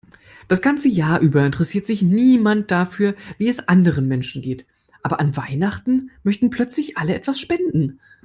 Das ganze Jahr über interessiert sich niemand dafür, wie es anderen Menschen geht, aber an Weihnachten möchten plötzlich alle etwas spenden.